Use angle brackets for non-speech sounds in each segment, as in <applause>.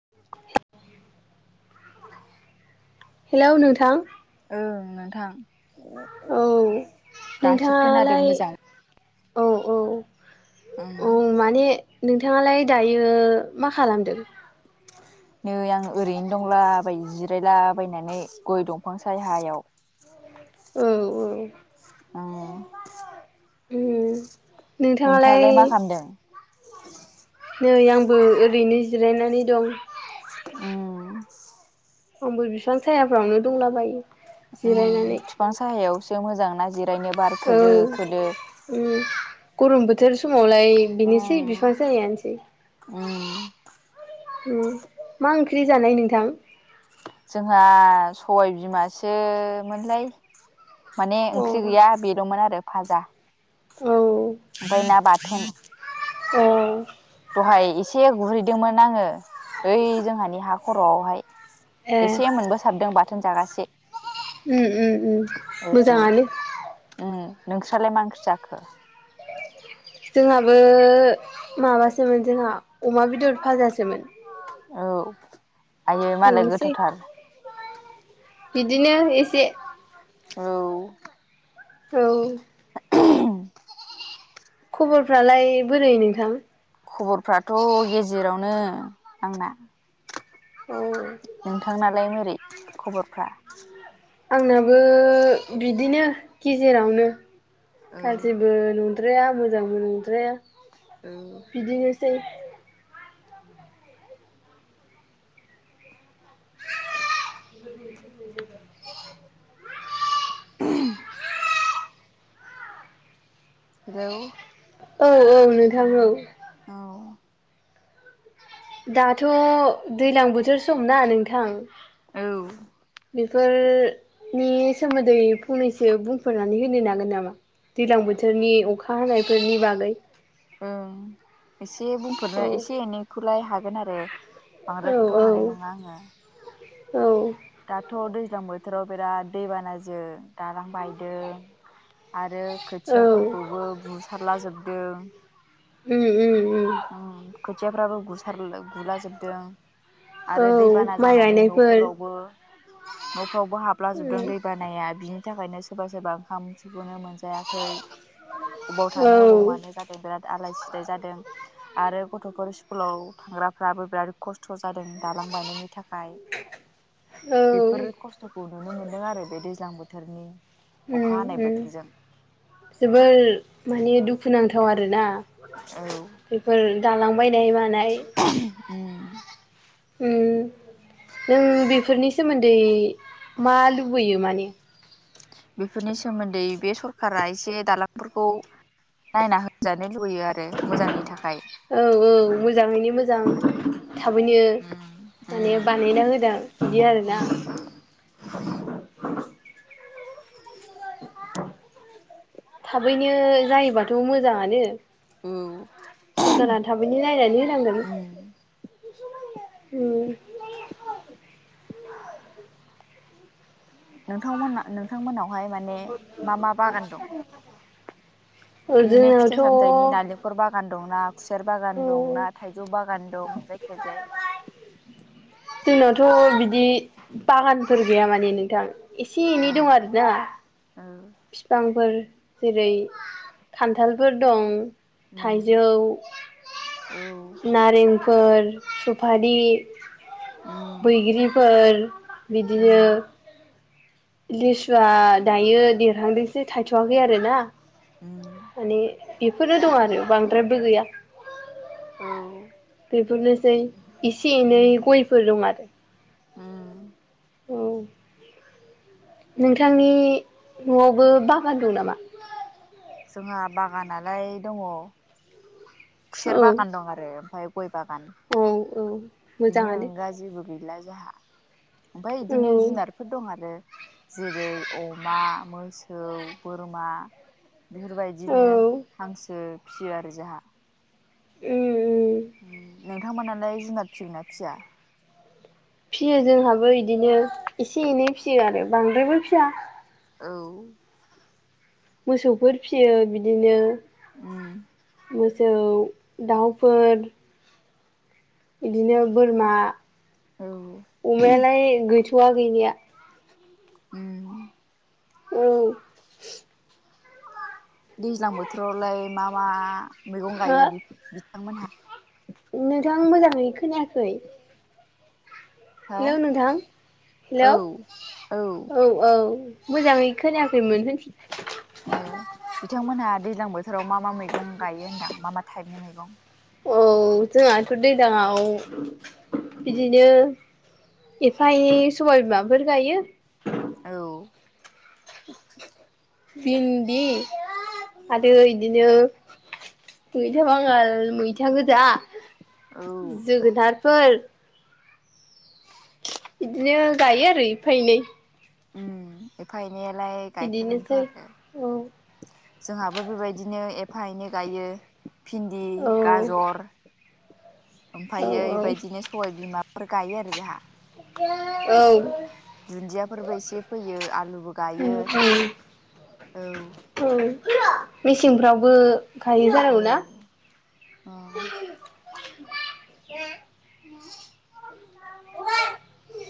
<unintelligible> Hello नोंथां ओं नोंथां औ दासो खोनादों नोंथाङालाय मोजां औ औ ओं औ माने नोंथाङालाय दायो मा खालामदों नै आं ओरैनो दंलाबायो जिरायलाबायनानै गय दंफां सायहायाव <inaudible> औ अ उम नोंथाङालाय मा खालामदों नै आंबो ओरैनो जिरायनानै दं उम आंबो बिफां सायाफ्रावनो दंलाबायो उम जिरायनानै फिफां साहायावसो मोजां ना जिरायनो बार औ खोलो खोलो उम गयम बोथोर स मावलाय बिनोसै उम बिफां साहायानोसै उम उम मा ओंख्रि जानाय नोंथां जोंहा सबाइ बिमासोमोनलाय माने अ ओंख्रि गैया बेलमोन आरो फाजा औ ओमफ्राय ना बाथोन औ दहाय एसे गुरहैदोंमोन आङो ओइ जोंहानि हा खर'आवहाय अ ए एसे मोनबोसाबदों बाथोन जागासे उम उम उम औ मोजाङानो उम नोंस्रालाय मा ओंख्रि जाखो जोंहाबो माबासोमोन जोंहा अमा बेदर फाजासोमोन औ आयै मालाय बेनोसै गोथावथार बिदिनो एसे औ औ खबरफ्रालाय बोरै नोंथां? खबरफ्राथ' गेजेरावनो आंना औ नोंथांनालाय मोरै खबरफ्रा? आंनाबो बिदिनो गेजेरावनो औ गाज्रिबो नं- -द्राया मोजांबो नंद्राया औ बिदिनोसै <inaudible> <inaudible> हेलौ औ औ नोंथां औ औ दाथ' दैज्लां बोथोर सम ना नोंथां औ बेफोरनि सोमोन्दै फंनैसो बुंफोरनानै होनो हागोन नामा? दैज्लां बोथोरनि अखा हानायफोरनि बागै ओं एसे बुंफोरनो औ एसे एनैखौलाय हागोन आरो औ बांद्रायखौथ' औ हानाय नङा आङो औ दाथ' दै दैज्लां बोथोराव बिराद दैबानाजों दालां बायदों आरो औ खोथियाफोरखौबो बुसारलाजोबदों उम‌ उम उम खोथियाफ्राबो गुसार गुलाजोबदों औ आरो दैबाना माइ जानानै गायनायफोर न'फोरावबो न'फ्रावबो हाबलाजोबदों उम दैबानाया बिनि बिनि थाखायनो सोरबा सोरबा ओंखामखौनो मोनजायाखै बबाव औ थानो अबाव मानो जादों बिराद आलाय सिलाय जादों आरो गथ'फोर स्कुलाव थांग्राफ्राबो बिराद खस्थ' ज जादों दालां बायनायनि थाखाय औ बेफोर खस्थ'खौ नुनो मोनदों आरो बे दैज्लां बोथोरनि अखा उम हानाय उम बोथोरजों जोबोर माने दुखुनांथाव आरो ना औ बेफोर दालां बायनाय मानाय उम उम नों बेफोरनि सोमोन्दै मा लुबैयो माने बेफोरनि सोमोन्दै बे सरखारा एसे दालांफोरखौ नायना होजानो लुुबैयो आरो मोजांनि थाखाय औ औ मोजाङैनो मोजां थाबैनो माने बानायना होदों बिदि आरोना थाबैनो जायोबाथ' मोजाङानो औ सरखारा थाबैनो नायनानै होनांगोन उम आरो नोंथांमोन नोंथांमोनावहाय माने मा मा बागान दं? बिदिनो फिथाइ जोंनावथ' सामथायनि उम नालेंखर बागान दं ना खुसेर बागान दं ना थाइजौ बागान दं जायखिजाया जोंनावथ' बिदि बागानफोर गैया माने नोंथां एसे औ एनै दं आरोना औ बिफांफोर जेरै खान्थालफोर दं औ थाइजौ, नारेंफोर, सुफारि बैग्रिफोर बिदिनो लिसुआ दायो देरहांदोंसो थायथ'वाखै आरो ना माने बेफोरनो दं आरो बांद्रायबो गैया बेफोरनोसै एसे एनै गयफोर दं आरो उम औ नोंथांनि नआवबो बागान दं नामा जोंहा बागानालाय दङ खुसेर औ बागान दं आरो ओमफ्राय गय बागान औ औ बिनि मोजाङानो अनगा जेबो गैला जाहा ओमफ्राय औ बिदिनो जुनारफोर दं आरो जेरै अमा मोसौ बोरमा औ बेफोरबायदिनो हांसो फिसियो आरो जाहा उम उम नोंथांमोनालाय जुनाद फिसिगोना फिसिया फियो जोंहाबो इदिनो एसे एनै फिसियो आरो बांद्रायबो फिया औ मोसौफोर फियो बिदिनो उम मोसौ दाउफोर इदिनो बोरमा औ अमायालाय गैथवा गैनाया उम औ दैज्लां बोथोरावलाय मा मा मैगं हो गायो नोंथां मोनहा नोंथां मोजाङै खोनायाखै हो हेलौ नोंथां हेलौ औ औ औ मोजाङै खोनायाखै <unintelligible> ए बिथांमोनहा दैज्लां बोथोराव मा मा मैगं गायो होना मा मा टाइपनि मैगं औ जोंहाथ दैज्लांआव बिदिनो एफा एनै सबाय बिमाफोर गायो औ भिन्दि आरो इदिनो मैथा बांगाल मैथा गोजा औ जोगोनारफोर बिदिनो गायो आरो एफा एनै उ एफा एनै नायालाय गायखागोनथ बिदिनोसै आरो औ जोंहाबो बेबायदिनो एफा एनै गायो भिन्दि औ गाजर ओमफायो औ बेबायदिनो सबाय बिमाफोर गायो आरो जोंहा औ दुन्दियाफोरबो एसे फैयो आलुबो गायो औ मेसेंफ्रावबो गायो जानांगौ औ ना अ <inaudible>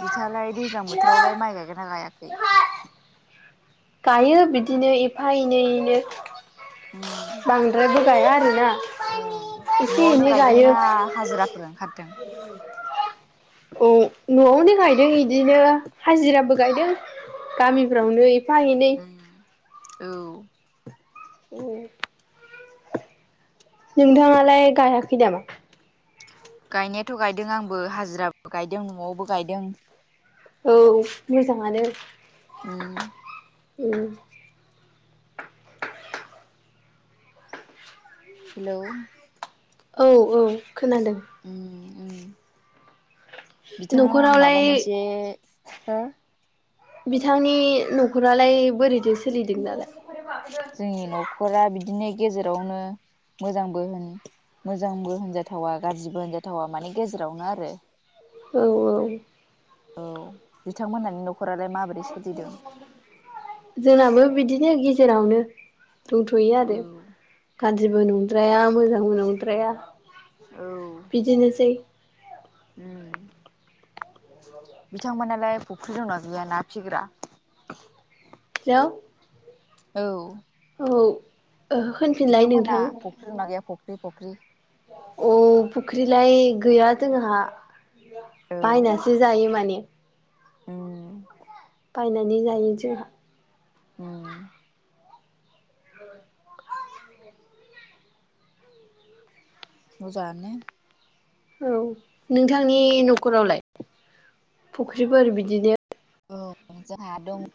बिथाङालाय दैज्लां बोथोरावलाय माइ गायगोना गायाखै गायो बिदिनो एफा एनै एनै औ एसे नआवनो एनै गायो। गायदोंना हाजिरा फोर ओंखारदों औ नआवनो गायदों इदिनो हाजिराबो गायदों गामिफ्रावनो एफा एनै उम औ ए नोंथाङालाय गायाखै नामा गायनायाथ गायदों आंबो हाजिराबो गायदों नआवबो गायदों औ मोजाङानो उम उम हेलौ औ औ खोनादों उम बिथाङा आं माबा न'खरावलाय मोनसे हो बिथांनि न'खरालाय बोरैथो सोलिदों दालाय जोंनि न'खरा बिदिनो गेजेरावनो मोजांबो होन मोजांबो होनजाथावा गाज्रिबो होनजाथावा माने गेजेरावनो आरो औ औ औ बिथांमोनानि न'ख जोंनाबो बिदिनो गेजेरावनो दंथ'यो आरो औ गाज्रिबो नंद्राया मोजांबो नंद्राया औ बिदिनोसै उम बिथांमोनालाय फुख्रि दंना गैया ना फिग्रा <unintelligible> औ औ ओ होनफिनलाय बिथांमोना नोंथां फख्रि दंना गैया फख्रि फख्रि अ फुख्रिलाय गैया जोंहा औ बायनासो जायो माने उम बायनानै जायो जोंहा उम <unintelligible> मोजाङानो औ नोंथांनि न'खरावलाय फुख्रिफोर बिदिनो औ जोंहा दङ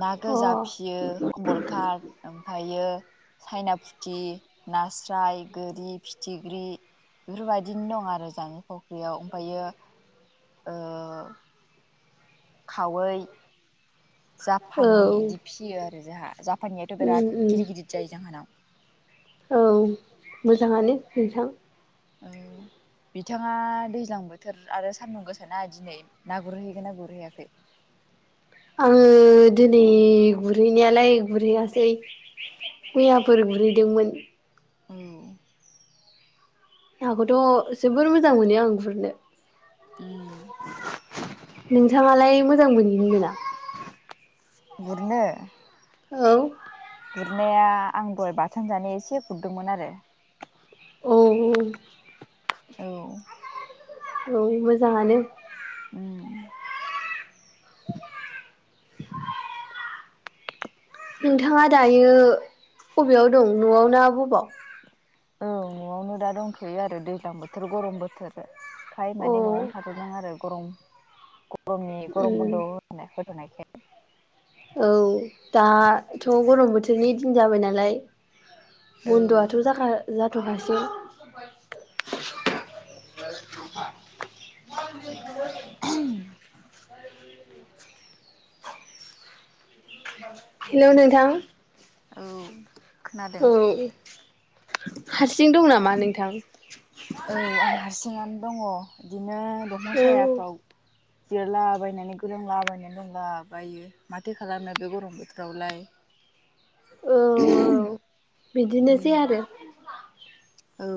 ना अ गोजा फियो कमलकार ओमफ्रायो सायना फुथि नास्राय गोरि फिथिख्रि बेफोरबायदिनो दं आरो जानि फुख्रियाव ओमफ्रायो ओ खावै औ जापानि इदि फियो आरो जोंहा जापानियाथ' उम बिराद उम गिदिर गिदिर जायो जोंहानाव औ मोजाङानो नोंथां औ बिथाङा दैज्लां बोथोर आरो सान्दुं गोसोना दिनै ना गुरहैगोन ना गुरहैयाखै आङो दिनै गुरहैनायालाय गुरहैयासै मैयाफोर गुरहैदोंमोन औ नाखौथ' जोबोर मोजां मोनो आं गुरनो उम नोंथाङालाय मोजां मोनोना मोना गुरनो औ गुरनाया आं दहाय बाथोन जानाय एसे गुरदोंमोन आरो अ औ औ मोजाङानो उम नोंथाङा दायो बबेयाव दं न'आव ना बबाव औ न'आवनो दा दंथ'यो आरो दैज्लां बोथोर गरम बोथोरखाय अ माने न'आवनो थाथ'दों आरो गरम गमनि गरम उम बन्द' होथ' होथ'नायखाय औ दाथ' गरम बोथोरनि दिन जाबाय नालाय औ बन्द'आथ' जाखा जाथ'खासै <unintelligible> <inaudible> हेलौ नोंथां औ खोनादों औ हारसिं दं नामा नोंथां औ आं हारसिङानो दङ बिदिनो दंफां औ सायाफ्राव जिरायला बायनानै गोलोमला बायनानै दंलाबायो माथो खालामनो बे गरम बोथोरावलाय औ औ बिदिनोसै आरो औ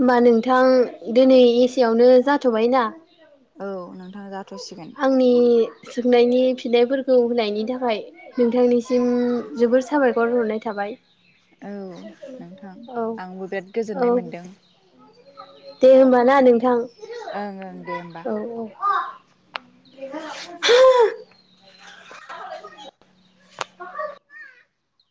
होमबा नोंथां दिनै एसेयावनो जाथ'बाय ना औ नोंथां जा आंनि सोंनायनि फिन्नायफोरखौ होनायनि था खाय नोंथांनिसिम जोबोर साबायखर हरनाय थाबाय औ नोंथां औ आंबो बिराद गोजोननाय औ मोनदों दे होमबा ना नोंथां ओं ओं दे होमबा औ औ <unintelligible> <unintelligible>